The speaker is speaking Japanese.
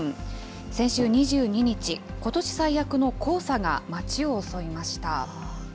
先週２２日、ことし最悪の黄砂が街を襲いました。